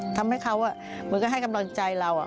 ทำให้เขาเหมือนก็ให้กำลังใจเรา